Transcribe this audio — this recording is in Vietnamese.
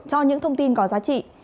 cho những thông tin có giá trị